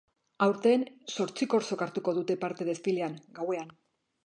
Aurten, zortzi korsok hartuko dute parte desfilean, gauean.